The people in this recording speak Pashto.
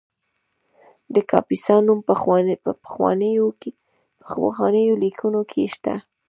د کاپیسا نوم په پخوانیو لیکنو کې شته